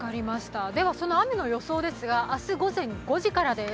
その雨の予想ですが明日午前５時からです。